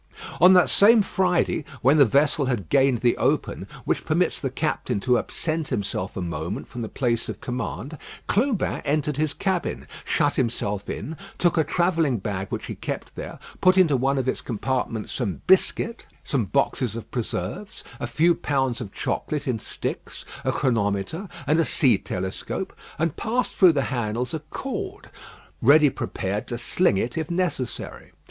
On that same Friday, when the vessel had gained the open, which permits the captain to absent himself a moment from the place of command, Clubin entered his cabin, shut himself in, took a travelling bag which he kept there, put into one of its compartments some biscuit, some boxes of preserves, a few pounds of chocolate in sticks, a chronometer, and a sea telescope, and passed through the handles a cord, ready prepared to sling it if necessary.